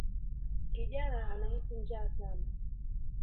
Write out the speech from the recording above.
Kijana anahisi njaa sana